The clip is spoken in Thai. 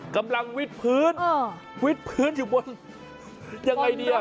กำลังวิดพื้นเออวิดพื้นอยู่บนยังไงเนี้ย